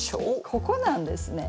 ここなんですね。